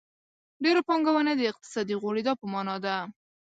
ډېره پانګونه د اقتصادي غوړېدا په مانا ده.